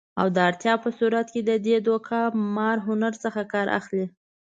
او د اړتیا په صورت کې د دې دوکه مار هنر څخه کار اخلي